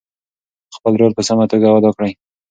خپل رول په سمه توګه ادا کړئ.